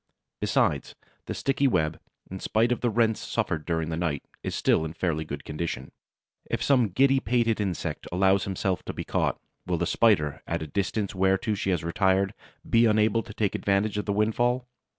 Besides, the sticky web, in spite of the rents suffered during the night, is still in fairly good condition. If some giddy pated insect allow himself to be caught, will the Spider, at the distance whereto she has retired, be unable to take advantage of the windfall?